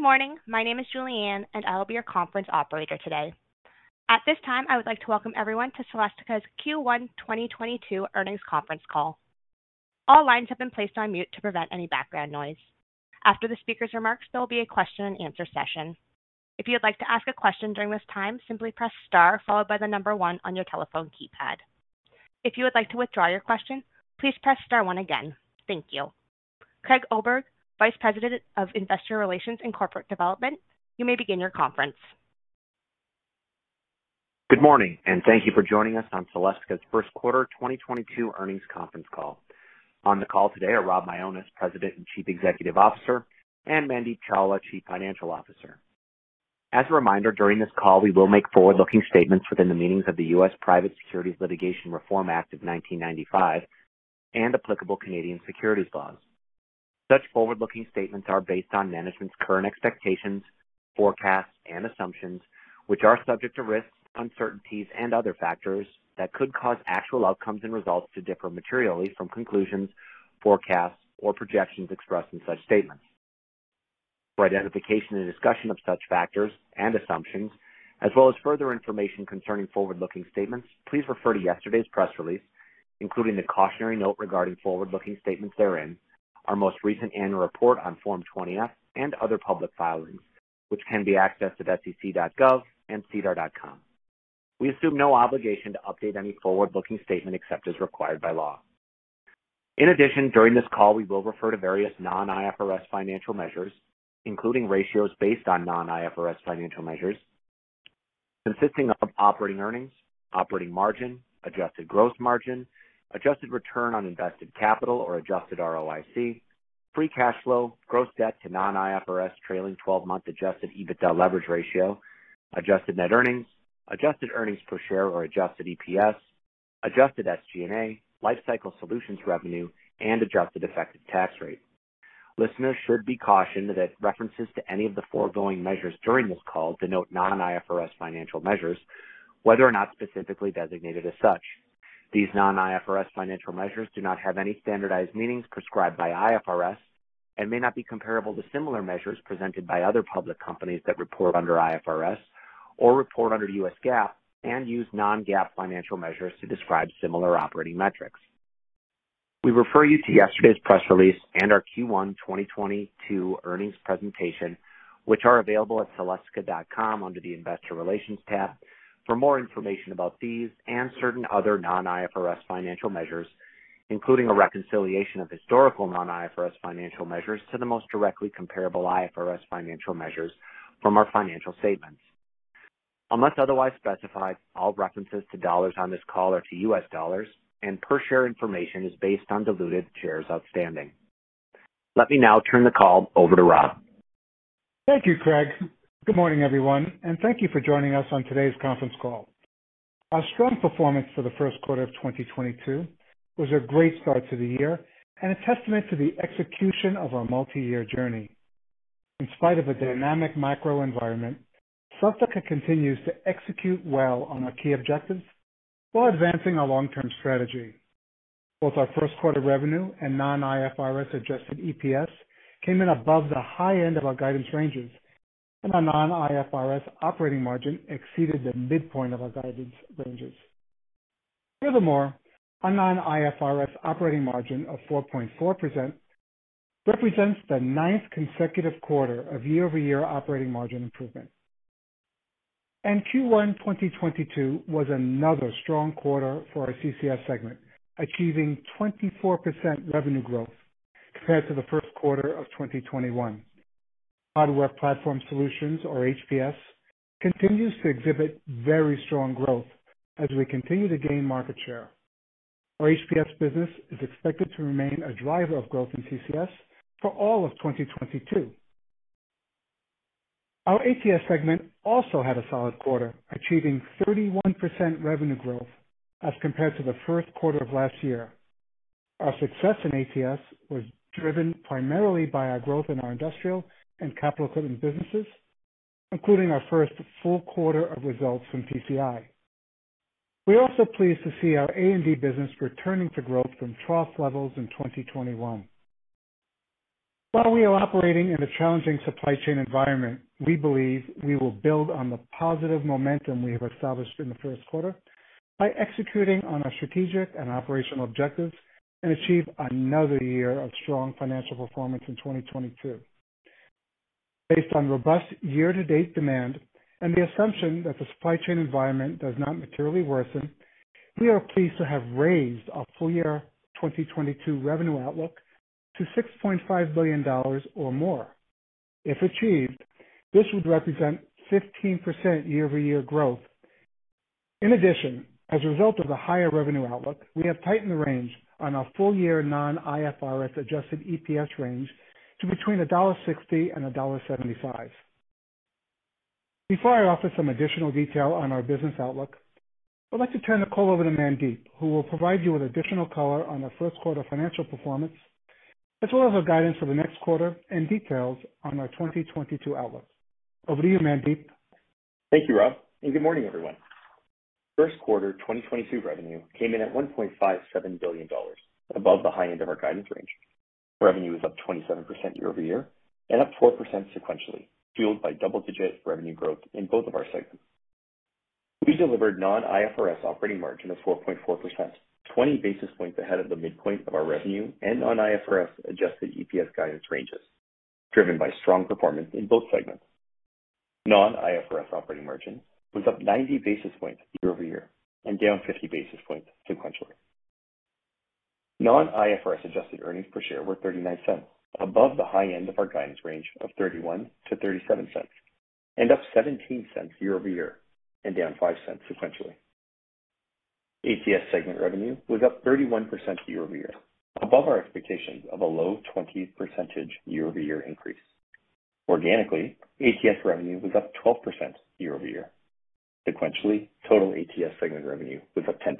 Good morning. My name is Julianne, and I will be your conference operator today. At this time, I would like to welcome everyone to Celestica's Q1 2022 earnings conference call. All lines have been placed on mute to prevent any background noise. After the speaker's remarks, there will be a question and answer session. If you'd like to ask a question during this time, simply press star followed by the number one on your telephone keypad. If you would like to withdraw your question, please press star one again. Thank you. Craig Oberg, Vice President of Investor Relations and Corporate Development, you may begin your conference. Good morning, and thank you for joining us on Celestica's first quarter 2022 earnings conference call. On the call today are Rob Mionis, President and Chief Executive Officer, and Mandeep Chawla, Chief Financial Officer. As a reminder, during this call, we will make forward-looking statements within the meanings of the U.S. Private Securities Litigation Reform Act of 1995 and applicable Canadian securities laws. Such forward-looking statements are based on management's current expectations, forecasts, and assumptions, which are subject to risks, uncertainties, and other factors that could cause actual outcomes and results to differ materially from conclusions, forecasts, or projections expressed in such statements. For identification and discussion of such factors and assumptions, as well as further information concerning forward-looking statements, please refer to yesterday's press release, including the cautionary note regarding forward-looking statements therein, our most recent annual report on Form 20-F, and other public filings, which can be accessed at sec.gov and sedar.com. We assume no obligation to update any forward-looking statement, except as required by law. In addition, during this call, we will refer to various non-IFRS financial measures, including ratios based on non-IFRS financial measures consisting of operating earnings, operating margin, adjusted gross margin, adjusted return on invested capital or adjusted ROIC, free cash flow, gross debt to non-IFRS trailing twelve month adjusted EBITDA leverage ratio, adjusted net earnings, adjusted earnings per share or adjusted EPS, adjusted SG&A, lifecycle solutions revenue, and adjusted effective tax rate. Listeners should be cautioned that references to any of the foregoing measures during this call denote non-IFRS financial measures, whether or not specifically designated as such. These non-IFRS financial measures do not have any standardized meanings prescribed by IFRS and may not be comparable to similar measures presented by other public companies that report under IFRS or report under U.S. GAAP and use non-GAAP financial measures to describe similar operating metrics. We refer you to yesterday's press release and our Q1 2022 earnings presentation, which are available at celestica.com under the Investor Relations tab for more information about these and certain other non-IFRS financial measures, including a reconciliation of historical non-IFRS financial measures to the most directly comparable IFRS financial measures from our financial statements. Unless otherwise specified, all references to dollars on this call are to U.S. dollars, and per share information is based on diluted shares outstanding. Let me now turn the call over to Rob. Thank you, Craig. Good morning, everyone, and thank you for joining us on today's conference call. Our strong performance for the first quarter of 2022 was a great start to the year and a testament to the execution of our multi-year journey. In spite of a dynamic macro environment, Celestica continues to execute well on our key objectives while advancing our long-term strategy. Both our first quarter revenue and non-IFRS adjusted EPS came in above the high end of our guidance ranges, and our non-IFRS operating margin exceeded the midpoint of our guidance ranges. Furthermore, our non-IFRS operating margin of 4.4% represents the ninth consecutive quarter of year-over-year operating margin improvement. Q1 2022 was another strong quarter for our CCS segment, achieving 24% revenue growth compared to the first quarter of 2021. Hardware Platform Solutions, or HPS, continues to exhibit very strong growth as we continue to gain market share. Our HPS business is expected to remain a driver of growth in CCS for all of 2022. Our ATS segment also had a solid quarter, achieving 31% revenue growth as compared to the first quarter of last year. Our success in ATS was driven primarily by our growth in our industrial and capital equipment businesses, including our first full quarter of results from PCI. We're also pleased to see our A&D business returning to growth from trough levels in 2021. While we are operating in a challenging supply chain environment, we believe we will build on the positive momentum we have established in the first quarter by executing on our strategic and operational objectives and achieve another year of strong financial performance in 2022. Based on robust year-to-date demand and the assumption that the supply chain environment does not materially worsen, we are pleased to have raised our full year 2022 revenue outlook to $6.5 billion or more. If achieved, this would represent 15% year-over-year growth. In addition, as a result of the higher revenue outlook, we have tightened the range on our full year non-IFRS adjusted EPS range to between $1.60 and $1.75. Before I offer some additional detail on our business outlook, I'd like to turn the call over to Mandeep, who will provide you with additional color on our first quarter financial performance, as well as our guidance for the next quarter and details on our 2022 outlook. Over to you, Mandeep. Thank you, Rob, and good morning, everyone. First quarter 2022 revenue came in at $1.57 billion, above the high end of our guidance range. Revenue was up 27% year-over-year and up 4% sequentially, fueled by double-digit revenue growth in both of our segments. We delivered non-IFRS operating margin of 4.4%, 20 basis points ahead of the midpoint of our revenue and non-IFRS adjusted EPS guidance ranges, driven by strong performance in both segments. Non-IFRS operating margin was up 90 basis points year-over-year and down 50 basis points sequentially. Non-IFRS adjusted earnings per share were $0.39, above the high end of our guidance range of $0.31-$0.37, and up $0.17 year-over-year, and down $0.05 sequentially. ATS segment revenue was up 31% year-over-year, above our expectations of a low 20% year-over-year increase. Organically, ATS revenue was up 12% year-over-year. Sequentially, total ATS segment revenue was up 10%.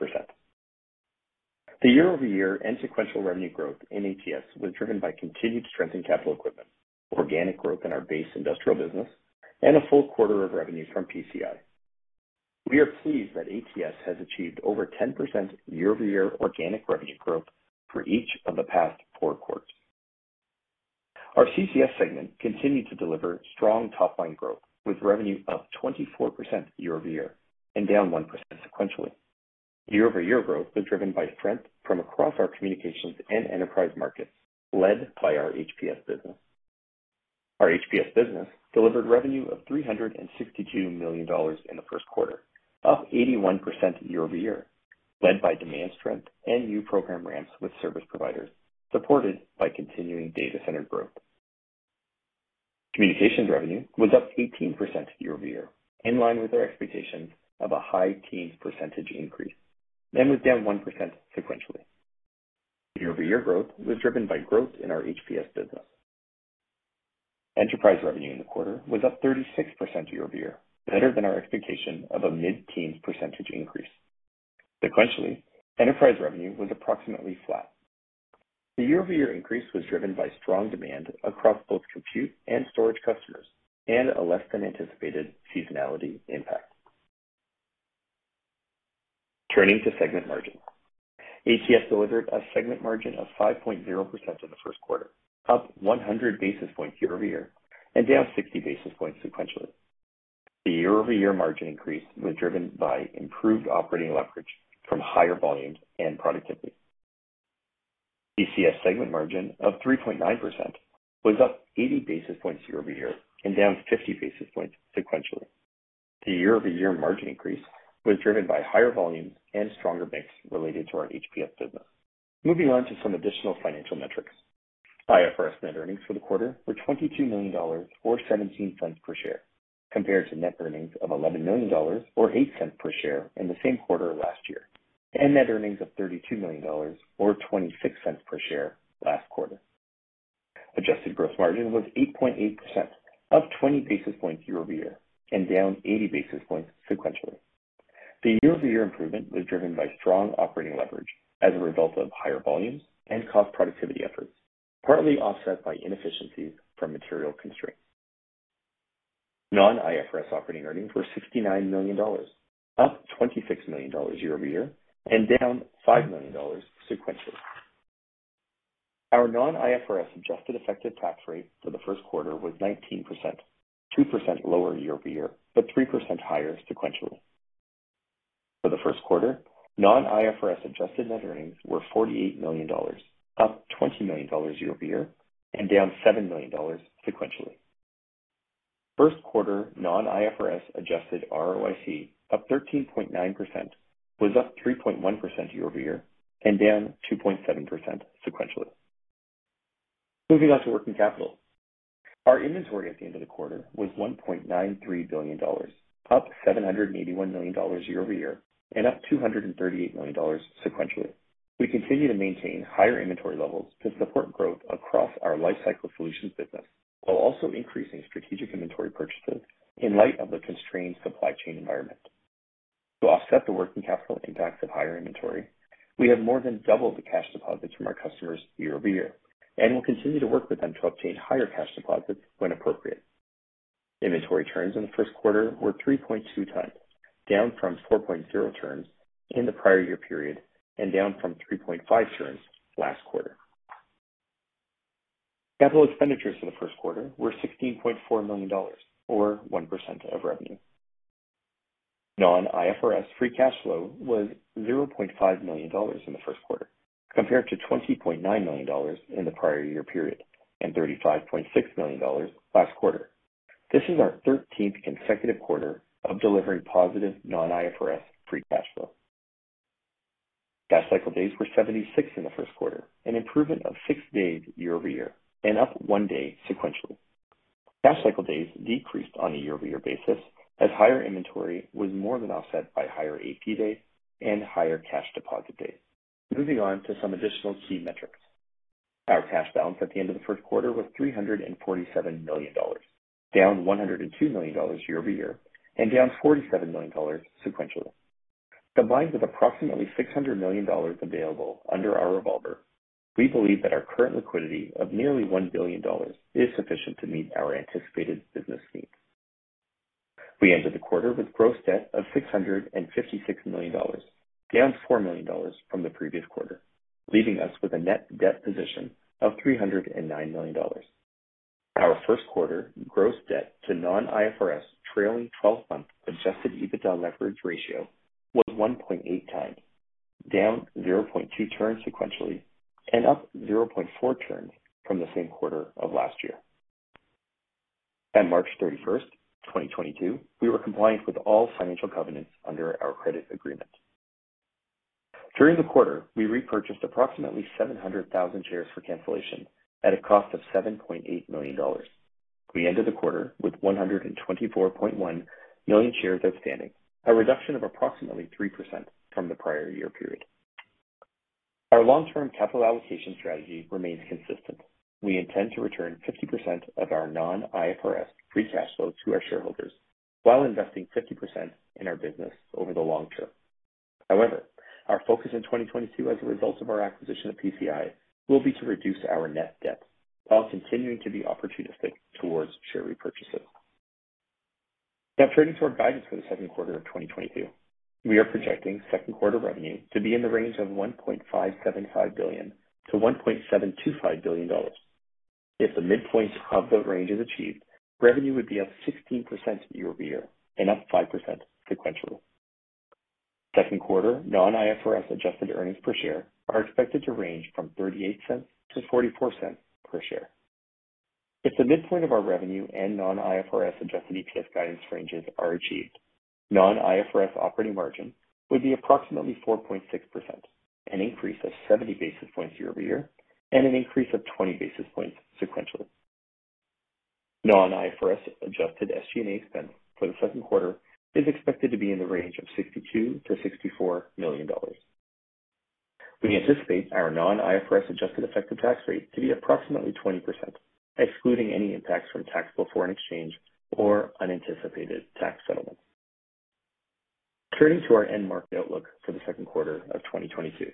The year-over-year and sequential revenue growth in ATS was driven by continued strength in capital equipment, organic growth in our base industrial business, and a full quarter of revenues from PCI. We are pleased that ATS has achieved over 10% year-over-year organic revenue growth for each of the past 4 quarters. Our CCS segment continued to deliver strong top line growth, with revenue up 24% year-over-year and down 1% sequentially. Year-over-year growth was driven by strength from across our communications and enterprise markets, led by our HPS business. Our HPS business delivered revenue of $362 million in the first quarter, up 81% year-over-year, led by demand strength and new program ramps with service providers, supported by continuing data center growth. Communications revenue was up 18% year-over-year, in line with our expectations of a high-teen% increase, and was down 1% sequentially. Year-over-year growth was driven by growth in our HPS business. Enterprise revenue in the quarter was up 36% year-over-year, better than our expectation of a mid-teen% increase. Sequentially, enterprise revenue was approximately flat. The year-over-year increase was driven by strong demand across both compute and storage customers and a less than anticipated seasonality impact. Turning to segment margin. ATS delivered a segment margin of 5.0% in the first quarter, up 100 basis points year-over-year and down 60 basis points sequentially. The year-over-year margin increase was driven by improved operating leverage from higher volumes and productivity. CCS segment margin of 3.9% was up 80 basis points year-over-year and down 50 basis points sequentially. The year-over-year margin increase was driven by higher volumes and stronger mix related to our HPS business. Moving on to some additional financial metrics. IFRS net earnings for the quarter were $22 million or $0.17 per share, compared to net earnings of $11 million or $0.08 per share in the same quarter last year, and net earnings of $32 million or $0.26 per share last quarter. Adjusted gross margin was 8.8%, up 20 basis points year-over-year and down 80 basis points sequentially. The year-over-year improvement was driven by strong operating leverage as a result of higher volumes and cost productivity efforts, partly offset by inefficiencies from material constraints. Non-IFRS operating earnings were $69 million, up $26 million year-over-year and down $5 million sequentially. Our non-IFRS adjusted effective tax rate for the first quarter was 19%, 2% lower year-over-year, but 3% higher sequentially. For the first quarter, non-IFRS adjusted net earnings were $48 million, up $20 million year-over-year and down $7 million sequentially. First quarter non-IFRS adjusted ROIC of 13.9% was up 3.1% year-over-year and down 2.7% sequentially. Moving on to working capital. Our inventory at the end of the quarter was $1.93 billion, up $781 million year-over-year and up $238 million sequentially. We continue to maintain higher inventory levels to support growth across our lifecycle solutions business, while also increasing strategic inventory purchases in light of the constrained supply chain environment. To offset the working capital impacts of higher inventory, we have more than doubled the cash deposits from our customers year-over-year and will continue to work with them to obtain higher cash deposits when appropriate. Inventory turns in the first quarter were 3.2 times, down from 4.0 turns in the prior year period and down from 3.5 turns last quarter. Capital expenditures in the first quarter were $16.4 million, or 1% of revenue. Non-IFRS free cash flow was $0.5 million in the first quarter, compared to $20.9 million in the prior year period, and $35.6 million last quarter. This is our 13th consecutive quarter of delivering positive non-IFRS free cash flow. Cash cycle days were 76 in the first quarter, an improvement of six days year-over-year and up one day sequentially. Cash cycle days decreased on a year-over-year basis as higher inventory was more than offset by higher AP days and higher cash deposit days. Moving on to some additional key metrics. Our cash balance at the end of the first quarter was $347 million, down $102 million year-over-year and down $47 million sequentially. Combined with approximately $600 million available under our revolver. We believe that our current liquidity of nearly $1 billion is sufficient to meet our anticipated business needs. We ended the quarter with gross debt of $656 million, down $4 million from the previous quarter, leaving us with a net debt position of $309 million. Our first quarter gross debt to non-IFRS trailing twelve-month adjusted EBITDA leverage ratio was 1.8 times, down 0.2 turns sequentially, and up 0.4 turns from the same quarter of last year. At March 31, 2022, we were compliant with all financial covenants under our credit agreement. During the quarter, we repurchased approximately 700,000 shares for cancellation at a cost of $7.8 million. We ended the quarter with 124.1 million shares outstanding, a reduction of approximately 3% from the prior year period. Our long-term capital allocation strategy remains consistent. We intend to return 50% of our non-IFRS free cash flow to our shareholders while investing 50% in our business over the long term. However, our focus in 2022 as a result of our acquisition of PCI will be to reduce our net debt while continuing to be opportunistic towards share repurchases. Now turning to our guidance for the second quarter of 2022. We are projecting second quarter revenue to be in the range of $1.575 billion-$1.725 billion. If the midpoint of the range is achieved, revenue would be up 16% year-over-year and up 5% sequentially. Second quarter non-IFRS adjusted earnings per share are expected to range from $0.38-$0.44 per share. If the midpoint of our revenue and non-IFRS adjusted EPS guidance ranges are achieved, non-IFRS operating margin would be approximately 4.6%, an increase of 70 basis points year over year, and an increase of 20 basis points sequentially. Non-IFRS adjusted SG&A spend for the second quarter is expected to be in the range of $62 million-$64 million. We anticipate our non-IFRS adjusted effective tax rate to be approximately 20%, excluding any impacts from taxable foreign exchange or unanticipated tax settlements. Turning to our end market outlook for the second quarter of 2022.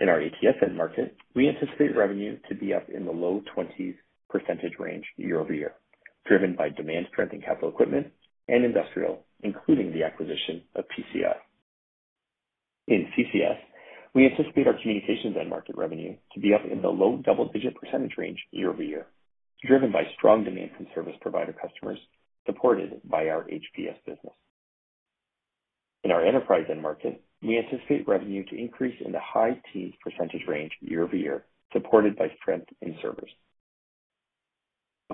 In our ATS end market, we anticipate revenue to be up in the low 20s% range year-over-year, driven by demand for printing capital equipment and industrial, including the acquisition of PCI. In CCS, we anticipate our communications end market revenue to be up in the low double-digit % range year-over-year, driven by strong demand from service provider customers supported by our HPS business. In our enterprise end market, we anticipate revenue to increase in the high teens % range year-over-year, supported by strength in servers.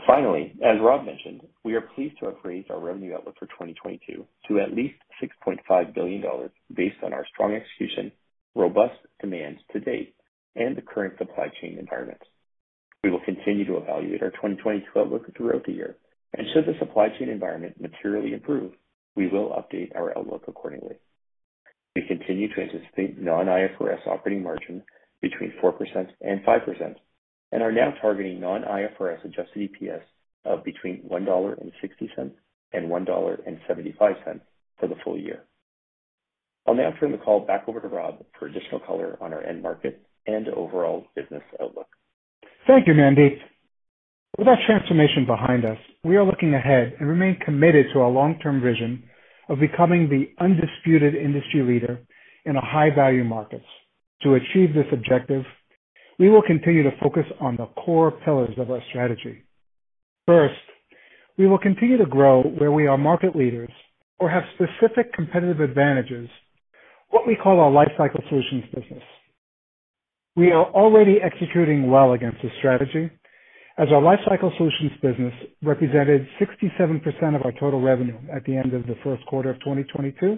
Finally, as Rob mentioned, we are pleased to have raised our revenue outlook for 2022 to at least $6.5 billion based on our strong execution, robust demands to date, and the current supply chain environments. We will continue to evaluate our 2022 outlook throughout the year, and should the supply chain environment materially improve, we will update our outlook accordingly. We continue to anticipate non-IFRS operating margin between 4% and 5% and are now targeting non-IFRS adjusted EPS of between $1.60 and $1.75 for the full year. I'll now turn the call back over to Rob for additional color on our end market and overall business outlook. Thank you, Mandeep. With our transformation behind us, we are looking ahead and remain committed to our long-term vision of becoming the undisputed industry leader in the high-value markets. To achieve this objective, we will continue to focus on the core pillars of our strategy. First, we will continue to grow where we are market leaders or have specific competitive advantages, what we call our lifecycle solutions business. We are already executing well against this strategy as our lifecycle solutions business represented 67% of our total revenue at the end of the first quarter of 2022,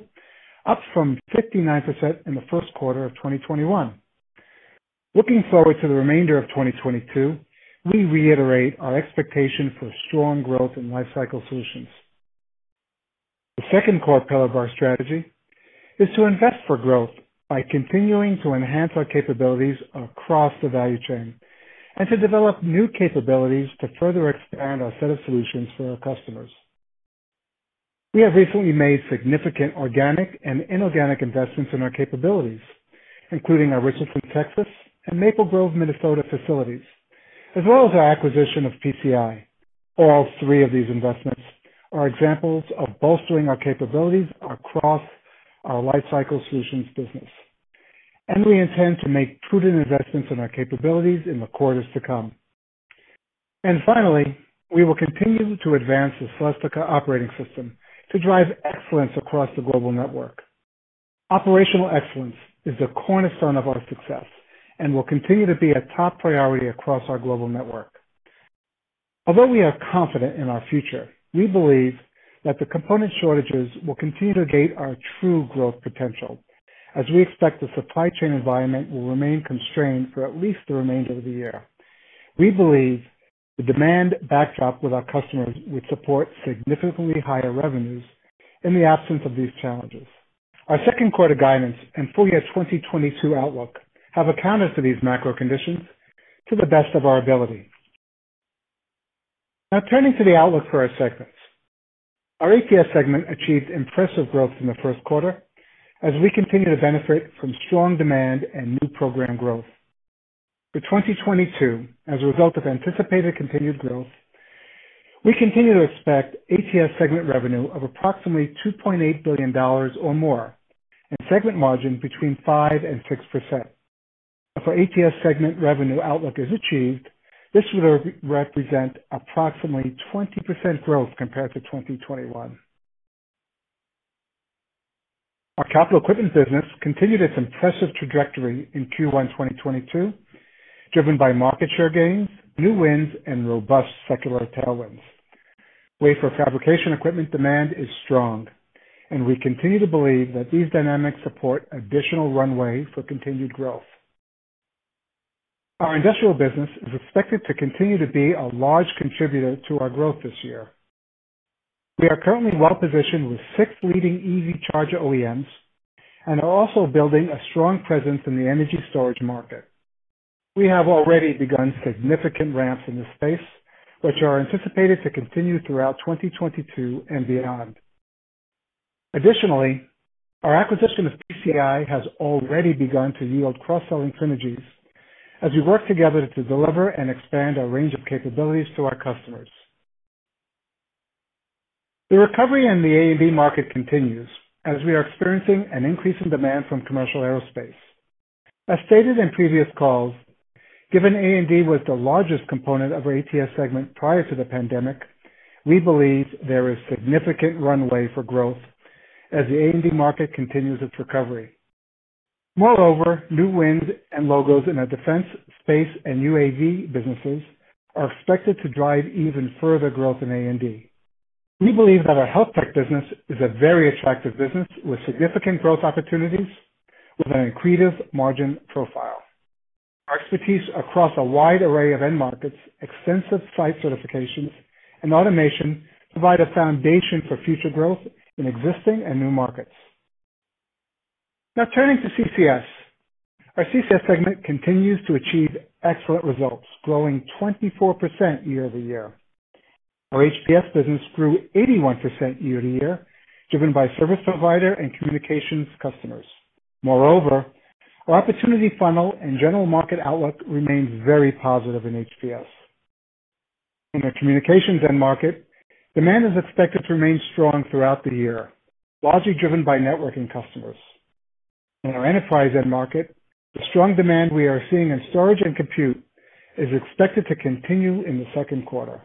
up from 59% in the first quarter of 2021. Looking forward to the remainder of 2022, we reiterate our expectation for strong growth in lifecycle solutions. The second core pillar of our strategy is to invest for growth by continuing to enhance our capabilities across the value chain and to develop new capabilities to further expand our set of solutions for our customers. We have recently made significant organic and inorganic investments in our capabilities, including our Richardson, Texas, and Maple Grove, Minnesota, facilities, as well as our acquisition of PCI. All three of these investments are examples of bolstering our capabilities across our lifecycle solutions business, and we intend to make prudent investments in our capabilities in the quarters to come. Finally, we will continue to advance the Celestica Operating System to drive excellence across the global network. Operational excellence is the cornerstone of our success and will continue to be a top priority across our global network. Although we are confident in our future, we believe that the component shortages will continue to gate our true growth potential as we expect the supply chain environment will remain constrained for at least the remainder of the year. We believe the demand backdrop with our customers would support significantly higher revenues in the absence of these challenges. Our second quarter guidance and full-year 2022 outlook have accounted for these macro conditions to the best of our ability. Now turning to the outlook for our segments. Our ATS segment achieved impressive growth in the first quarter as we continue to benefit from strong demand and new program growth. For 2022, as a result of anticipated continued growth, we continue to expect ATS segment revenue of approximately $2.8 billion or more, and segment margin between 5%-6%. If our ATS segment revenue outlook is achieved, this would represent approximately 20% growth compared to 2021. Our capital equipment business continued its impressive trajectory in Q1 2022, driven by market share gains, new wins, and robust secular tailwinds. Wafer fabrication equipment demand is strong, and we continue to believe that these dynamics support additional runway for continued growth. Our industrial business is expected to continue to be a large contributor to our growth this year. We are currently well-positioned with six leading EV charger OEMs and are also building a strong presence in the energy storage market. We have already begun significant ramps in this space, which are anticipated to continue throughout 2022 and beyond. Additionally, our acquisition of PCI has already begun to yield cross-selling synergies as we work together to deliver and expand our range of capabilities to our customers. The recovery in the A&D market continues as we are experiencing an increase in demand from commercial aerospace. As stated in previous calls, given A&D was the largest component of our ATS segment prior to the pandemic, we believe there is significant runway for growth as the A&D market continues its recovery. Moreover, new wins and logos in our defense, space, and UAV businesses are expected to drive even further growth in A&D. We believe that our health tech business is a very attractive business with significant growth opportunities with an accretive margin profile. Our expertise across a wide array of end markets, extensive site certifications, and automation provide a foundation for future growth in existing and new markets. Now turning to CCS. Our CCS segment continues to achieve excellent results, growing 24% year-over-year. Our HPS business grew 81% year-over-year, driven by service provider and communications customers. Moreover, our opportunity funnel and general market outlook remains very positive in HPS. In our communications end market, demand is expected to remain strong throughout the year, largely driven by networking customers. In our enterprise end market, the strong demand we are seeing in storage and compute is expected to continue in the second quarter.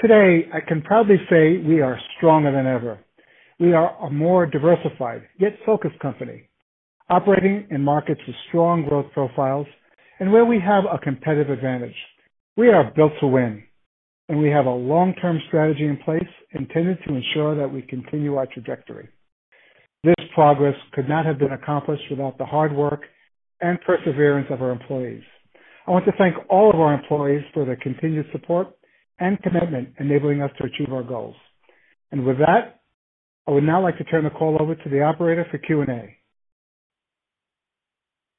Today, I can proudly say we are stronger than ever. We are a more diversified yet focused company, operating in markets with strong growth profiles and where we have a competitive advantage. We are built to win, and we have a long-term strategy in place intended to ensure that we continue our trajectory. This progress could not have been accomplished without the hard work and perseverance of our employees. I want to thank all of our employees for their continued support and commitment, enabling us to achieve our goals. With that, I would now like to turn the call over to the operator for Q&A.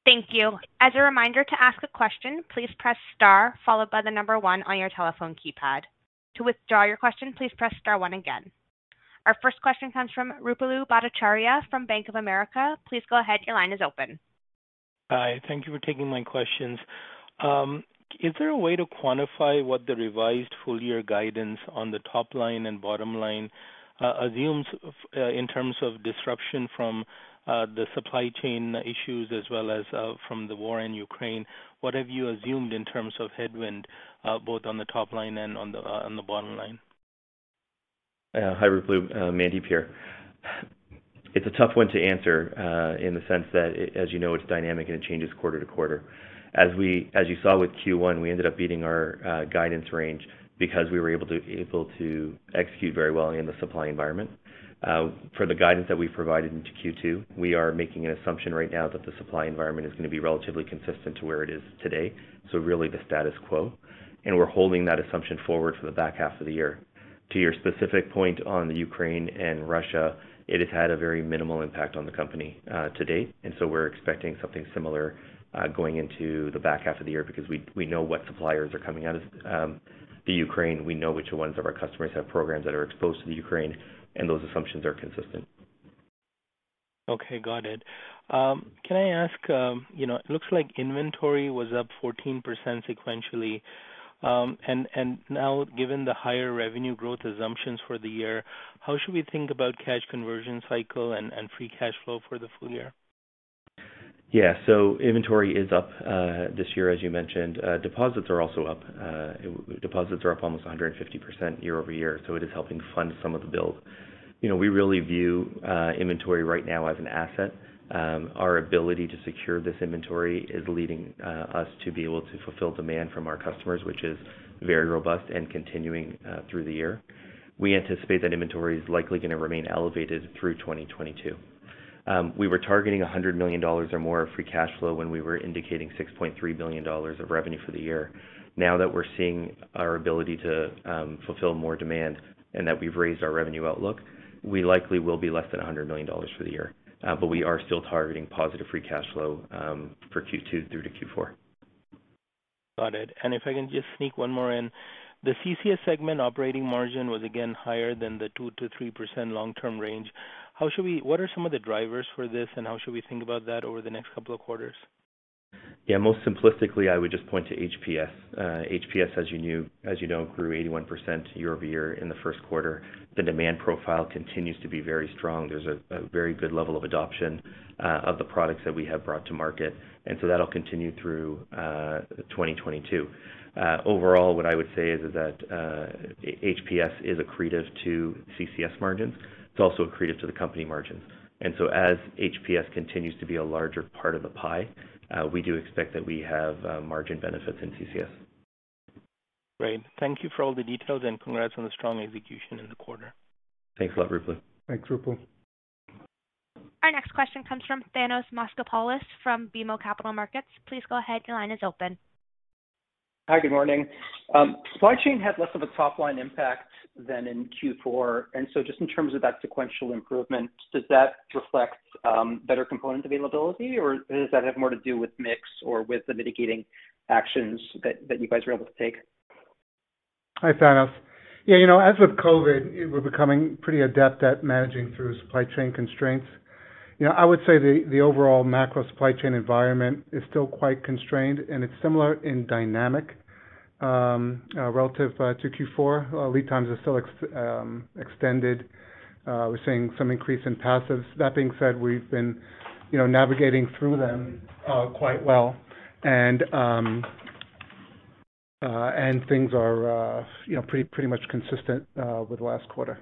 Thank you. As a reminder, to ask a question, please press star followed by the number one on your telephone keypad. To withdraw your question, please press star one again. Our first question comes from Ruplu Bhattacharya from Bank of America. Please go ahead. Your line is open. Hi. Thank you for taking my questions. Is there a way to quantify what the revised full year guidance on the top line and bottom line assumes in terms of disruption from the supply chain issues as well as from the war in Ukraine? What have you assumed in terms of headwind both on the top line and on the bottom line? Hi, Ruplu. Mandeep here. It's a tough one to answer in the sense that as you know, it's dynamic and it changes quarter to quarter. As you saw with Q1, we ended up beating our guidance range because we were able to execute very well in the supply environment. For the guidance that we provided into Q2, we are making an assumption right now that the supply environment is gonna be relatively consistent to where it is today, so really the status quo. We're holding that assumption forward for the back half of the year. To your specific point on the Ukraine and Russia, it has had a very minimal impact on the company to date. We're expecting something similar, going into the back half of the year because we know what suppliers are coming out of the Ukraine. We know which ones of our customers have programs that are exposed to the Ukraine, and those assumptions are consistent. Okay. Got it. Can I ask, you know, it looks like inventory was up 14% sequentially, and now given the higher revenue growth assumptions for the year, how should we think about cash conversion cycle and free cash flow for the full year? Yeah. Inventory is up this year as you mentioned. Deposits are up almost 150% year-over-year, so it is helping fund some of the build. You know, we really view inventory right now as an asset. Our ability to secure this inventory is leading us to be able to fulfill demand from our customers, which is very robust and continuing through the year. We anticipate that inventory is likely gonna remain elevated through 2022. We were targeting $100 million or more of free cash flow when we were indicating $6.3 billion of revenue for the year. Now that we're seeing our ability to fulfill more demand and that we've raised our revenue outlook, we likely will be less than $100 million for the year. We are still targeting positive free cash flow for Q2 through to Q4. Got it. If I can just sneak one more in. The CCS segment operating margin was again higher than the 2%-3% long-term range. What are some of the drivers for this, and how should we think about that over the next couple of quarters? Yeah, most simplistically, I would just point to HPS. HPS, as you know, grew 81% year-over-year in the first quarter. The demand profile continues to be very strong. There's a very good level of adoption of the products that we have brought to market. That'll continue through 2022. Overall, what I would say is that HPS is accretive to CCS margins. It's also accretive to the company margins. As HPS continues to be a larger part of the pie, we do expect that we have margin benefits in CCS. Great. Thank you for all the details, and congrats on the strong execution in the quarter. Thanks a lot, Ruplu. Thanks, Ruplu. Our next question comes from Thanos Moschopoulos from BMO Capital Markets. Please go ahead. Your line is open. Hi, good morning. Supply chain had less of a top-line impact than in Q4, and so just in terms of that sequential improvement, does that reflect better component availability, or does that have more to do with mix or with the mitigating actions that you guys were able to take? Hi, Thanos. Yeah, you know, as with COVID, we're becoming pretty adept at managing through supply chain constraints. You know, I would say the overall macro supply chain environment is still quite constrained, and it's similar in dynamic relative to Q4. Lead times are still extended. We're seeing some increase in passives. That being said, we've been, you know, navigating through them quite well. Things are, you know, pretty much consistent with last quarter.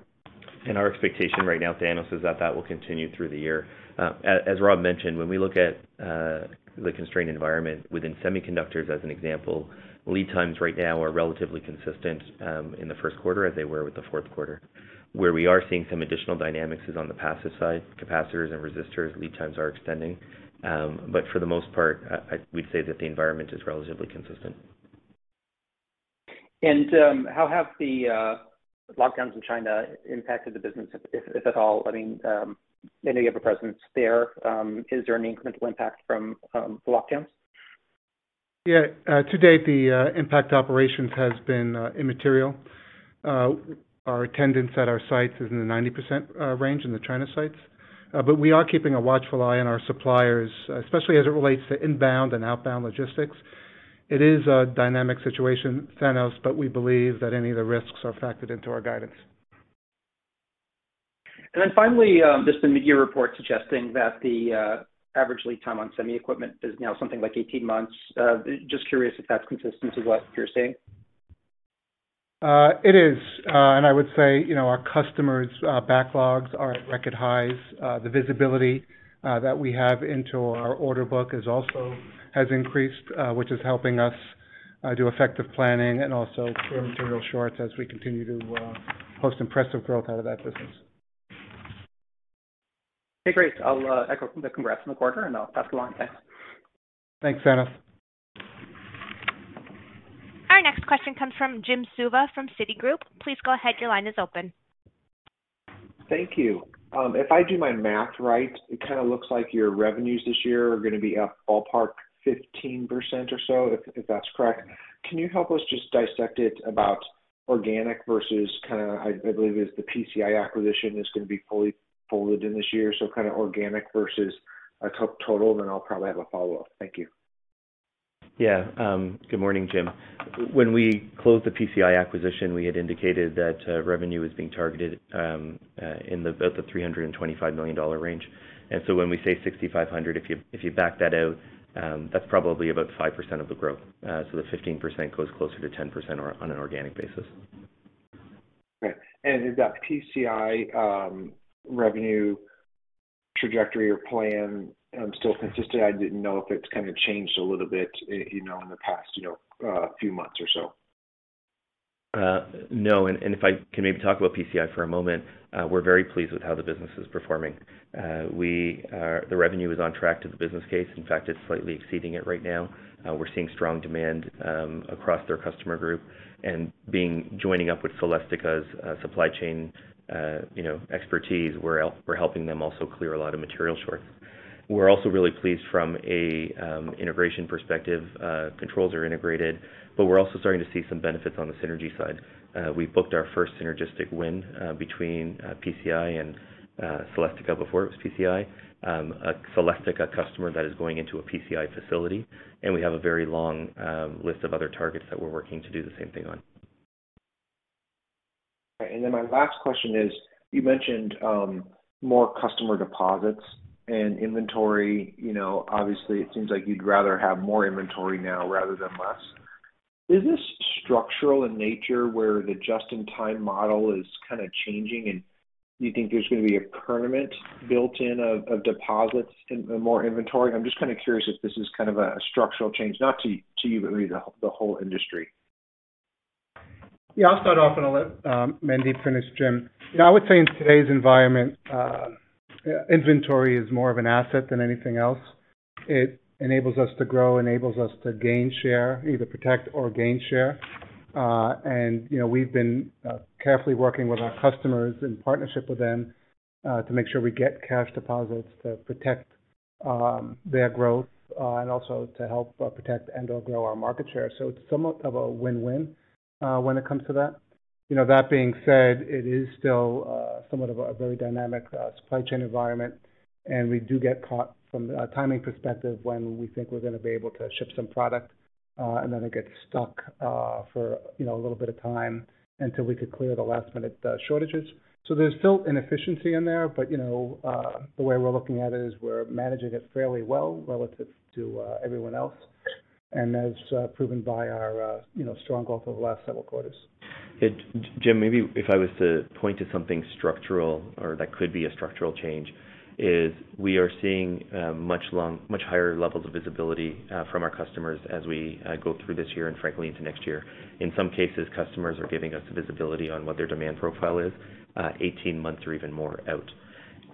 Our expectation right now, Thanos, is that that will continue through the year. As Rob mentioned, when we look at the constrained environment within semiconductors as an example, lead times right now are relatively consistent in the first quarter as they were with the fourth quarter. Where we are seeing some additional dynamics is on the passive side. Capacitors and resistors lead times are extending. For the most part, we'd say that the environment is relatively consistent. How have the lockdowns in China impacted the business, if at all? I mean, I know you have a presence there. Is there an incremental impact from the lockdowns? Yeah. To date, the impact to operations has been immaterial. Our attendance at our sites is in the 90% range in the China sites. But we are keeping a watchful eye on our suppliers, especially as it relates to inbound and outbound logistics. It is a dynamic situation, Thanos, but we believe that any of the risks are factored into our guidance. Just the mid-year report suggesting that the average lead time on semi equipment is now something like 18 months. Just curious if that's consistent with what you're seeing. It is. I would say, you know, our customers' backlogs are at record highs. The visibility that we have into our order book has increased, which is helping us do effective planning and also clear material shortages as we continue to post impressive growth out of that business. Okay, great. I'll echo the congrats on the quarter and I'll pass the line. Thanks. Thanks, Thanos. Our next question comes from Jim Suva from Citigroup. Please go ahead. Your line is open. Thank you. If I do my math right, it kind of looks like your revenues this year are gonna be up ballpark 15% or so, if that's correct. Can you help us just dissect it about organic versus kinda, I believe it's the PCI acquisition is gonna be fully folded in this year, so kind of organic versus acquisition to total, then I'll probably have a follow-up. Thank you. Yeah. Good morning, Jim. When we closed the PCI acquisition, we had indicated that revenue was being targeted in about the $325 million range. When we say 6,500, if you back that out, that's probably about 5% of the growth. The 15% goes closer to 10% or on an organic basis. Great. Is that PCI revenue trajectory or plan still consistent? I didn't know if it's kinda changed a little bit, you know, in the past, you know, few months or so. No. If I can maybe talk about PCI for a moment, we're very pleased with how the business is performing. The revenue is on track to the business case. In fact, it's slightly exceeding it right now. We're seeing strong demand across their customer group and joining up with Celestica's supply chain, you know, expertise, we're helping them also clear a lot of material shorts. We're also really pleased from an integration perspective. Controls are integrated, but we're also starting to see some benefits on the synergy side. We've booked our first synergistic win between PCI and Celestica. Before it was PCI. A Celestica customer that is going into a PCI facility, and we have a very long list of other targets that we're working to do the same thing on. My last question is, you mentioned more customer deposits and inventory. You know, obviously, it seems like you'd rather have more inventory now rather than less. Is this structural in nature, where the just-in-time model is kinda changing, and you think there's gonna be a permanent built-in of deposits and more inventory? I'm just kinda curious if this is kind of a structural change, not to you, but really the whole industry. Yeah. I'll start off and I'll let Mandeep finish, Jim. You know, I would say in today's environment, inventory is more of an asset than anything else. It enables us to grow, enables us to gain share, either protect or gain share. You know, we've been carefully working with our customers in partnership with them to make sure we get cash deposits to protect their growth and also to help protect and/or grow our market share. It's somewhat of a win-win when it comes to that. You know, that being said, it is still somewhat of a very dynamic supply chain environment, and we do get caught from a timing perspective when we think we're gonna be able to ship some product, and then it gets stuck for, you know, a little bit of time until we could clear the last-minute shortages. There's still inefficiency in there. You know, the way we're looking at it is we're managing it fairly well relative to everyone else, and as proven by our you know, strong growth over the last several quarters. Jim, maybe if I was to point to something structural or that could be a structural change, is we are seeing much higher levels of visibility from our customers as we go through this year and frankly into next year. In some cases, customers are giving us visibility on what their demand profile is, 18 months or even more out.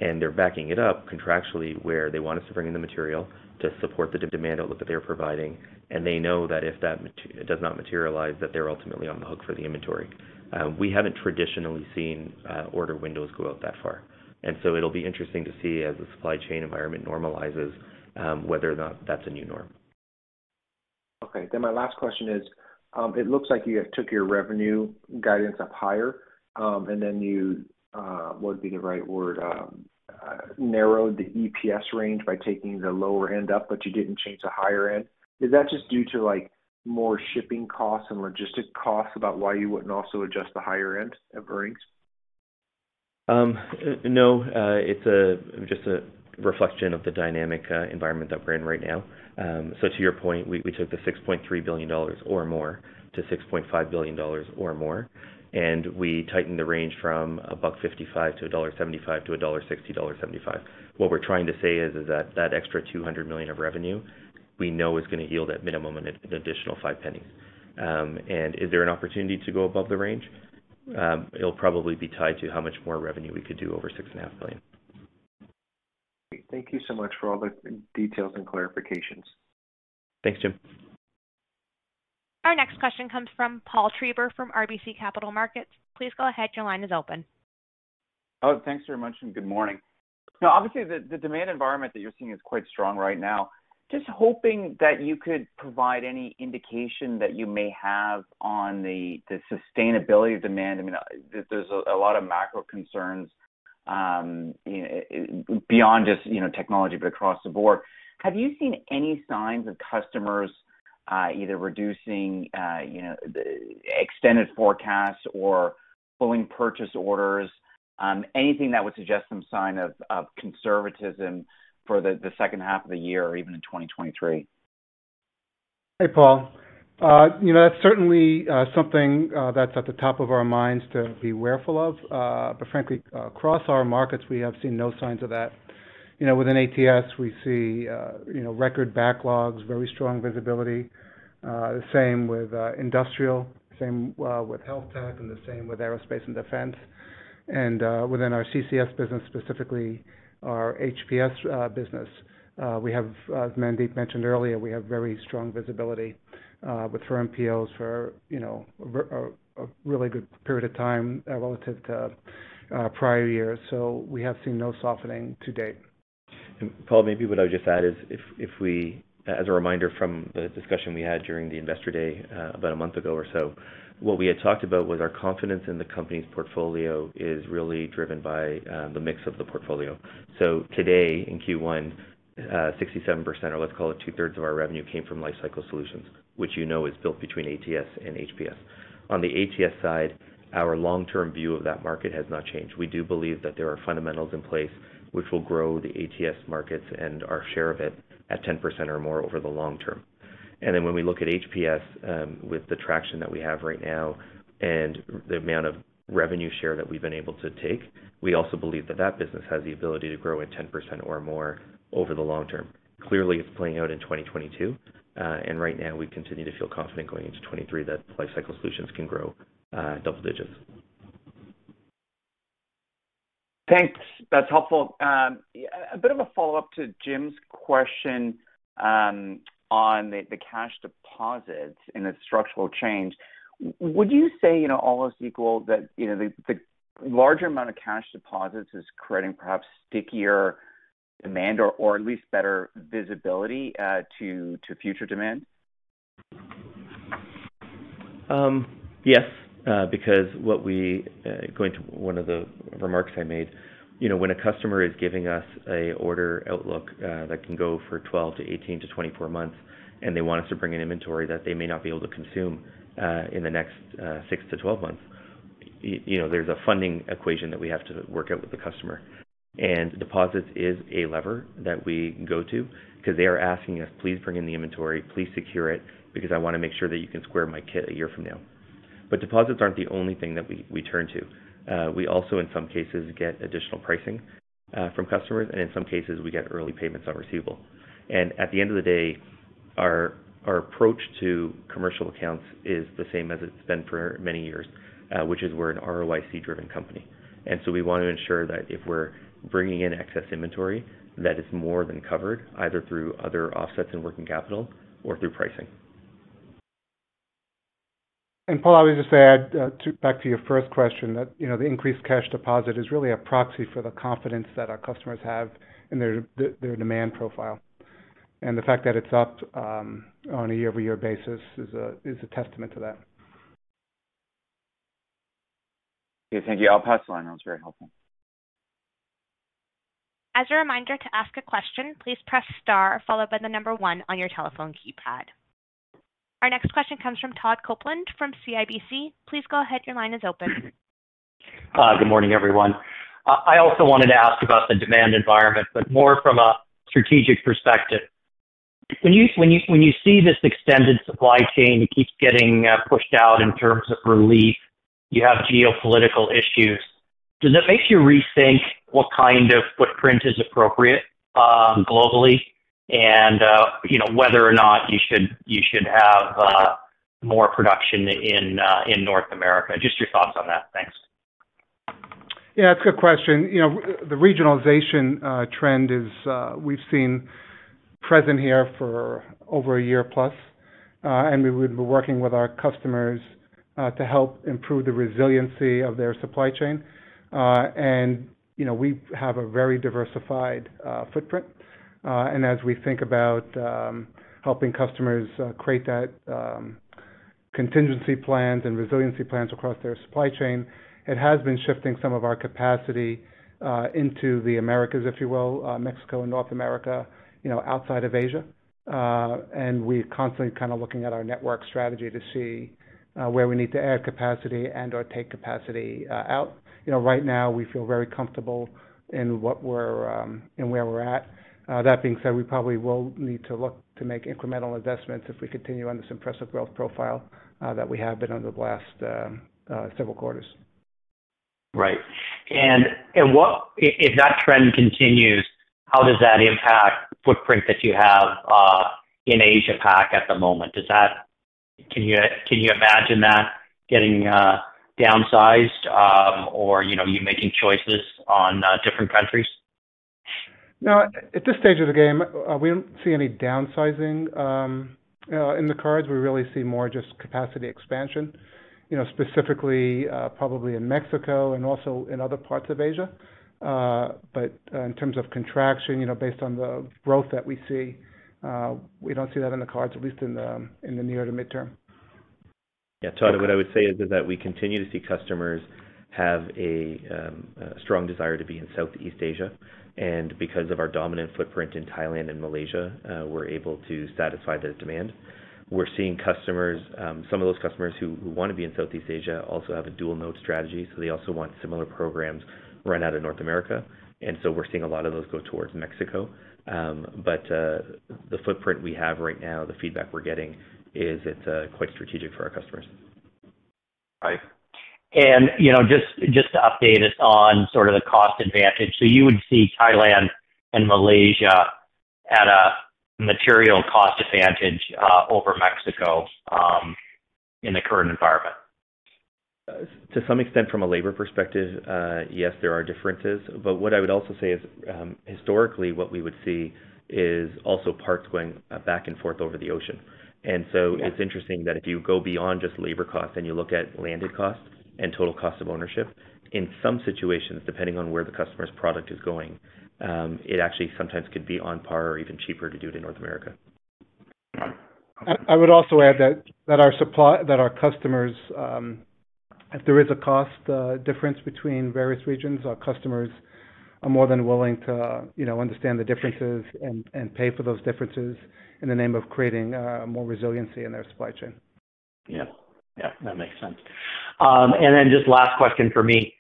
They're backing it up contractually where they want us to bring in the material to support the demand outlook that they're providing, and they know that if that does not materialize, that they're ultimately on the hook for the inventory. We haven't traditionally seen order windows go out that far, and so it'll be interesting to see as the supply chain environment normalizes whether or not that's a new norm. Okay. My last question is, it looks like you have took your revenue guidance up higher, and then you narrowed the EPS range by taking the lower end up, but you didn't change the higher end. Is that just due to, like, more shipping costs and logistics costs about why you wouldn't also adjust the higher end of earnings? No. It's just a reflection of the dynamic environment that we're in right now. To your point, we took the $6.3 billion or more to $6.5 billion or more, and we tightened the range from $1.55-$1.75 to $1.60-$1.75. What we're trying to say is that that extra $200 million of revenue we know is gonna yield at minimum an additional five cents. Is there an opportunity to go above the range? It'll probably be tied to how much more revenue we could do over $6.5 billion. Thank you so much for all the details and clarifications. Thanks, Jim. Our next question comes from Paul Treiber from RBC Capital Markets. Please go ahead. Your line is open. Oh, thanks very much, and good morning. Now, obviously, the demand environment that you're seeing is quite strong right now. Just hoping that you could provide any indication that you may have on the sustainability of demand. I mean, there's a lot of macro concerns beyond just, you know, technology, but across the board. Have you seen any signs of customers either reducing, you know, extended forecasts or pulling purchase orders? Anything that would suggest some sign of conservatism for the second half of the year or even in 2023? Hey, Paul. You know, that's certainly something that's at the top of our minds to be careful of. Frankly, across our markets, we have seen no signs of that. You know, within ATS, we see record backlogs, very strong visibility. The same with industrial, the same with health tech, and the same with aerospace and defense. Within our CCS business, specifically our HPS business, we have, as Mandeep mentioned earlier, very strong visibility with firm POs for a really good period of time relative to prior years. We have seen no softening to date. Paul, maybe what I'll just add is, as a reminder from the discussion we had during the investor day, about a month ago or so, what we had talked about was our confidence in the company's portfolio is really driven by the mix of the portfolio. Today, in Q1, 67%, or let's call it two-thirds of our revenue, came from Lifecycle Solutions, which you know is built between ATS and HPS. On the ATS side, our long-term view of that market has not changed. We do believe that there are fundamentals in place which will grow the ATS markets and our share of it at 10% or more over the long term. When we look at HPS, with the traction that we have right now and the amount of revenue share that we've been able to take, we also believe that that business has the ability to grow at 10% or more over the long term. Clearly, it's playing out in 2022, and right now we continue to feel confident going into 2023 that Lifecycle Solutions can grow double digits. Thanks. That's helpful. A bit of a follow-up to Jim's question, on the cash deposits and the structural change. Would you say, you know, all else equal that, you know, the larger amount of cash deposits is creating perhaps stickier demand or at least better visibility to future demand? Yes, because going to one of the remarks I made, you know, when a customer is giving us an order outlook that can go for 12-18-24 months, and they want us to bring in inventory that they may not be able to consume in the next six to 12 months, you know, there's a funding equation that we have to work out with the customer. Deposits is a lever that we go to because they are asking us, "Please bring in the inventory, please secure it, because I wanna make sure that you can square my kit a year from now." Deposits aren't the only thing that we turn to. We also in some cases get additional pricing from customers, and in some cases, we get early payments on receivable. At the end of the day, our approach to commercial accounts is the same as it's been for many years, which is we're an ROIC-driven company. We want to ensure that if we're bringing in excess inventory, that it's more than covered, either through other offsets in working capital or through pricing. Paul, I would just add, back to your first question, that, you know, the increased cash deposit is really a proxy for the confidence that our customers have in their demand profile. The fact that it's up, on a year-over-year basis is a testament to that. Okay. Thank you. I'll pass the line. That was very helpful. As a reminder to ask a question, please press star followed by the number one on your telephone keypad. Our next question comes from Todd Coupland from CIBC. Please go ahead. Your line is open. Hi. Good morning, everyone. I also wanted to ask about the demand environment, but more from a strategic perspective. When you see this extended supply chain keeps getting pushed out in terms of relief, you have geopolitical issues, does that make you rethink what kind of footprint is appropriate globally and, you know, whether or not you should have more production in North America? Just your thoughts on that. Thanks. Yeah, it's a good question. You know, the regionalization trend is, we've seen present here for over a year plus, and we've been working with our customers to help improve the resiliency of their supply chain. You know, we have a very diversified footprint. As we think about helping customers create that contingency plans and resiliency plans across their supply chain, it has been shifting some of our capacity into the Americas, if you will, Mexico and North America, you know, outside of Asia. We're constantly kind of looking at our network strategy to see where we need to add capacity and/or take capacity out. You know, right now we feel very comfortable in what we're in where we're at. That being said, we probably will need to look to make incremental investments if we continue on this impressive growth profile that we have been on the last several quarters. Right. If that trend continues, how does that impact footprint that you have in Asia PAC at the moment? Can you imagine that getting downsized, or, you know, you making choices on different countries? No. At this stage of the game, we don't see any downsizing in the cards. We really see more just capacity expansion, you know, specifically, probably in Mexico and also in other parts of Asia. In terms of contraction, you know, based on the growth that we see, we don't see that in the cards, at least in the near to midterm. Yeah. Todd, what I would say is that we continue to see customers have a strong desire to be in Southeast Asia. Because of our dominant footprint in Thailand and Malaysia, we're able to satisfy that demand. We're seeing customers, some of those customers who wanna be in Southeast Asia also have a dual mode strategy, so they also want similar programs run out of North America. We're seeing a lot of those go towards Mexico. The footprint we have right now, the feedback we're getting is it's quite strategic for our customers. Right. You know, just to update us on sort of the cost advantage. You would see Thailand and Malaysia at a material cost advantage over Mexico in the current environment? To some extent from a labor perspective, yes, there are differences. What I would also say is, historically what we would see is also parts going back and forth over the ocean. It's interesting that if you go beyond just labor costs and you look at landed costs and total cost of ownership, in some situations, depending on where the customer's product is going, it actually sometimes could be on par or even cheaper to do it in North America. I would also add that our customers, if there is a cost difference between various regions, our customers are more than willing to, you know, understand the differences and pay for those differences in the name of creating more resiliency in their supply chain. Yeah. Yeah, that makes sense. Just last question for me.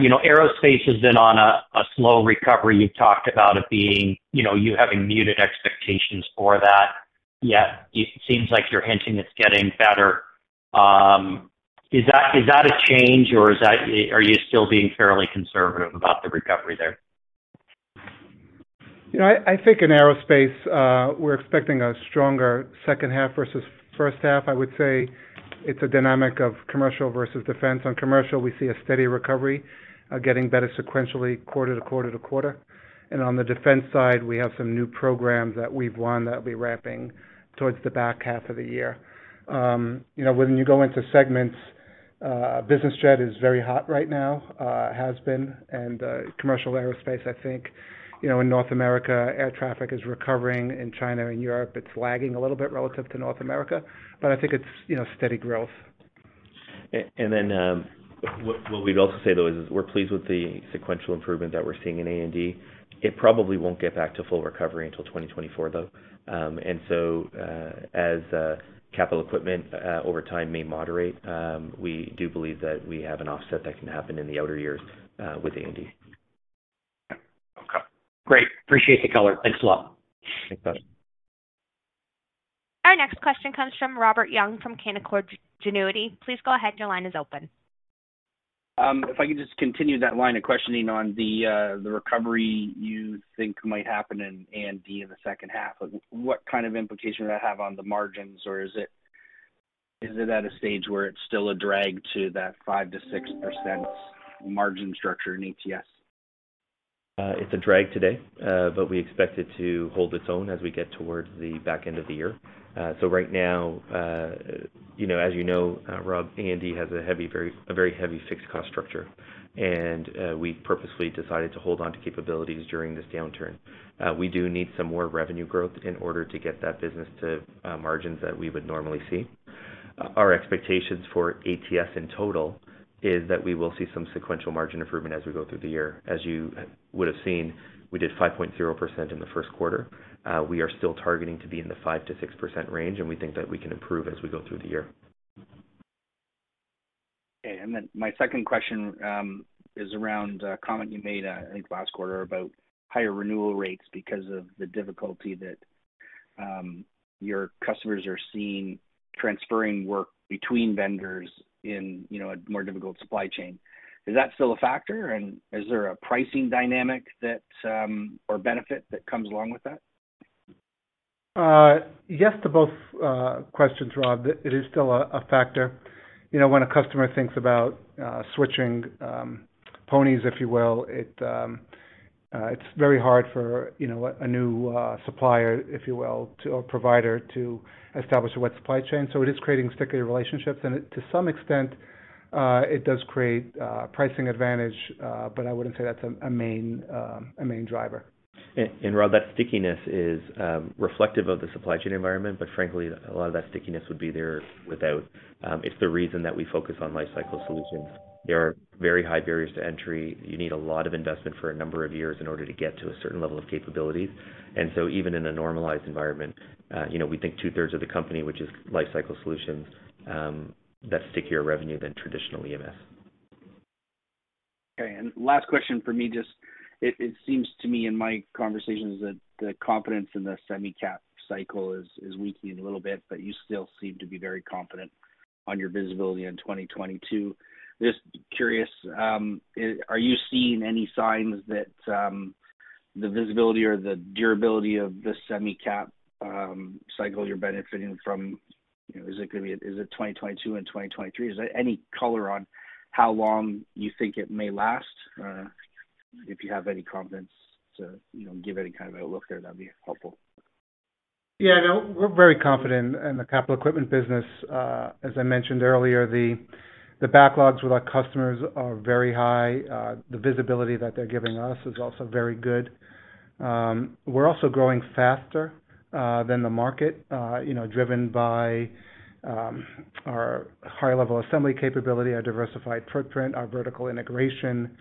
You know, aerospace has been on a slow recovery. You talked about it being, you know, you having muted expectations for that. Yet it seems like you're hinting it's getting better. Is that a change, or are you still being fairly conservative about the recovery there? You know, I think in aerospace, we're expecting a stronger second half versus first half. I would say it's a dynamic of commercial versus defense. On commercial, we see a steady recovery, getting better sequentially quarter to quarter to quarter. On the defense side, we have some new programs that we've won that'll be ramping towards the back half of the year. You know, when you go into segments, business jet is very hot right now, has been. Commercial aerospace, I think, you know, in North America, air traffic is recovering. In China and Europe, it's lagging a little bit relative to North America, but I think it's, you know, steady growth. What we'd also say, though, is we're pleased with the sequential improvement that we're seeing in A&D. It probably won't get back to full recovery until 2024, though. As capital equipment over time may moderate, we do believe that we have an offset that can happen in the outer years with A&D. Okay. Great. Appreciate the color. Thanks a lot. Thanks, Todd. Our next question comes from Robert Young from Canaccord Genuity. Please go ahead. Your line is open. If I could just continue that line of questioning on the recovery you think might happen in A&D in the second half. What kind of implication would that have on the margins, or is it at a stage where it's still a drag to that 5%-6% margin structure in ATS? It's a drag today, but we expect it to hold its own as we get towards the back end of the year. Right now, you know, Rob, A&D has a very heavy fixed cost structure. We purposely decided to hold onto capabilities during this downturn. We do need some more revenue growth in order to get that business to margins that we would normally see. Our expectations for ATS in total is that we will see some sequential margin improvement as we go through the year. As you would have seen, we did 5.0% in the first quarter. We are still targeting to be in the 5%-6% range, and we think that we can improve as we go through the year. Okay. My second question is around a comment you made, I think last quarter about higher renewal rates because of the difficulty that your customers are seeing transferring work between vendors in, you know, a more difficult supply chain. Is that still a factor? Is there a pricing dynamic that or benefit that comes along with that? Yes to both questions, Rob. It is still a factor. You know, when a customer thinks about switching ponies, if you will, it's very hard for, you know, a new supplier, if you will, or provider to establish a vetted supply chain. It is creating stickier relationships. To some extent, it does create pricing advantage, but I wouldn't say that's a main driver. Rob, that stickiness is reflective of the supply chain environment, but frankly, a lot of that stickiness would be there without. It's the reason that we focus on lifecycle solutions. There are very high barriers to entry. You need a lot of investment for a number of years in order to get to a certain level of capabilities. Even in a normalized environment, we think 2/3 of the company, which is lifecycle solutions, that's stickier revenue than traditional EMS. Okay. Last question from me, just, it seems to me in my conversations that the confidence in the semi-cap cycle is weakening a little bit, but you still seem to be very confident on your visibility in 2022. Just curious, are you seeing any signs that the visibility or the durability of the semi-cap cycle you're benefiting from, you know, is it 2022 and 2023? Is there any color on how long you think it may last? Or if you have any confidence to, you know, give any kind of outlook there, that'd be helpful. Yeah, no, we're very confident in the capital equipment business. As I mentioned earlier, the backlogs with our customers are very high. The visibility that they're giving us is also very good. We're also growing faster than the market, you know, driven by our high level assembly capability, our diversified footprint, our vertical integration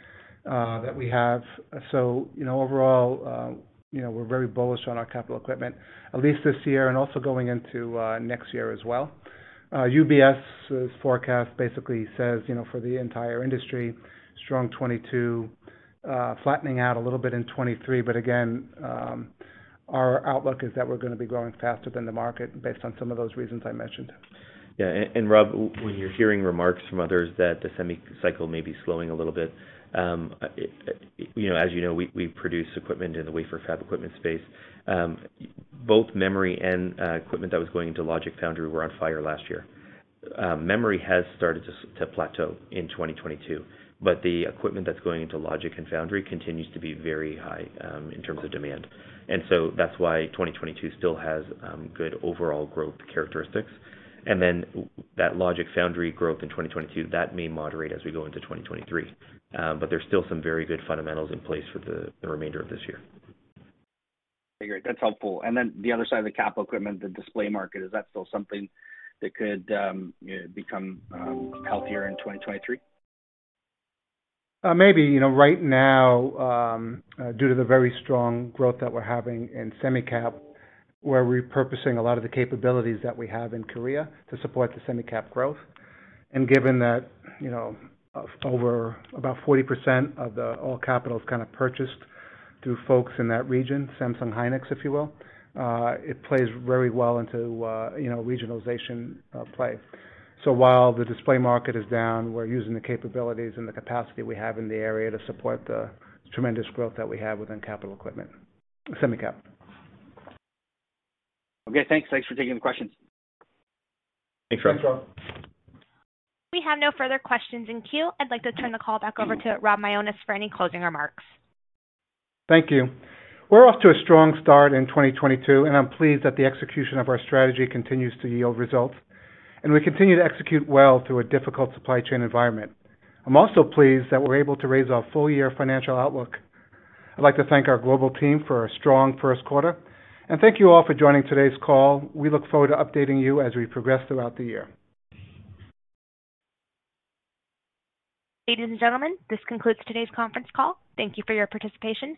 that we have. So, you know, overall, we're very bullish on our capital equipment, at least this year and also going into next year as well. UBS's forecast basically says, you know, for the entire industry, strong 2022, flattening out a little bit in 2023. Our outlook is that we're gonna be growing faster than the market based on some of those reasons I mentioned. Yeah. Rob, when you're hearing remarks from others that the semi cycle may be slowing a little bit, you know, as you know, we produce equipment in the wafer fab equipment space. Both memory and equipment that was going into logic foundry were on fire last year. Memory has started to plateau in 2022, but the equipment that's going into logic and foundry continues to be very high in terms of demand. That's why 2022 still has good overall growth characteristics. That logic foundry growth in 2022 may moderate as we go into 2023. There's still some very good fundamentals in place for the remainder of this year. Figure. That's helpful. The other side of the capital equipment, the display market, is that still something that could become healthier in 2023? Maybe. You know, right now, due to the very strong growth that we're having in semi cap, we're repurposing a lot of the capabilities that we have in Korea to support the semi cap growth. Given that, you know, over about 40% of all capital is kinda purchased through folks in that region, Samsung, SK hynix, if you will, it plays very well into, you know, regionalization play. While the display market is down, we're using the capabilities and the capacity we have in the area to support the tremendous growth that we have within capital equipment, semi cap. Okay, thanks. Thanks for taking the questions. Thanks, Rob. Thanks, Rob. We have no further questions in queue. I'd like to turn the call back over to Rob Mionis for any closing remarks. Thank you. We're off to a strong start in 2022, and I'm pleased that the execution of our strategy continues to yield results, and we continue to execute well through a difficult supply chain environment. I'm also pleased that we're able to raise our full year financial outlook. I'd like to thank our global team for a strong first quarter. Thank you all for joining today's call. We look forward to updating you as we progress throughout the year. Ladies and gentlemen, this concludes today's conference call. Thank you for your participation.